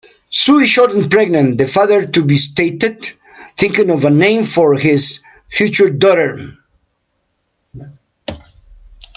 "Sue is short and pregnant", the father-to-be stated, thinking of a name for his future daughter.